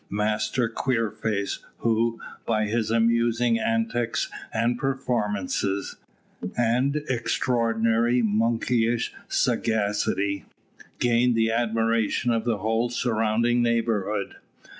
Master Queerface, who, by his amusing antics and performances, and extraordinary monkeyish sagacity, gained the admiration of the whole surrounding neighbourhood.